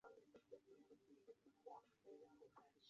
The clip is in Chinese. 拟全缘比赖藓为锦藓科比赖藓属下的一个种。